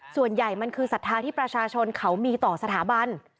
ส่วนใหญ่มันคือศรัทธาที่ประชาชนเขามีต่อสถาบัน